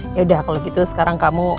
yaudah kalo gitu sekarang kamu